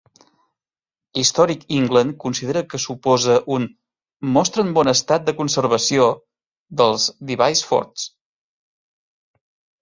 Historic England considera que suposa un "mostra en bon estat de conservació" dels Device Forts.